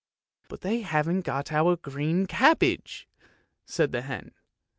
" But they haven't got our green cabbage," said the hen.